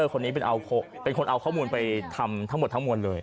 คนนี้เป็นคนเอาข้อมูลไปทำทั้งหมดทั้งมวลเลย